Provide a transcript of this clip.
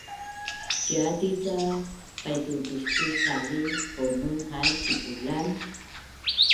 Ciati’ ca paitu tustusvali kaunu haan sipulan?